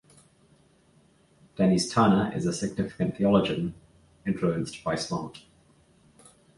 Denys Turner is a significant theologian influenced by "Slant".